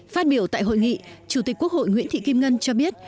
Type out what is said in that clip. phát biểu tại hội nghị chủ tịch quốc hội nguyễn thị kim ngân cho biết